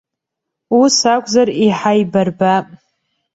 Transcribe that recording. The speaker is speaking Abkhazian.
Аус акәзар, иҳаибарбап!